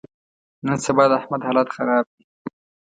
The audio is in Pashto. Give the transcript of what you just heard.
نن سبا د احمد حالت خراب دی.